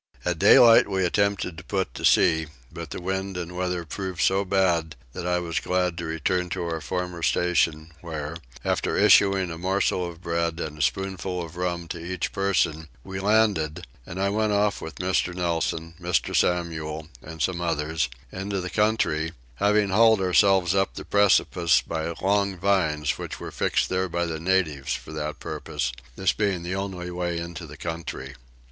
At daylight we attempted to put to sea; but the wind and weather proved so bad that I was glad to return to our former station where, after issuing a morsel of bread and a spoonful of rum to each person, we landed, and I went off with Mr. Nelson, Mr. Samuel, and some others, into the country, having hauled ourselves up the precipice by long vines which were fixed there by the natives for that purpose, this being the only way into the country.